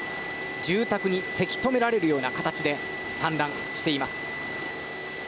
住宅にせき止められるような形で散乱しています。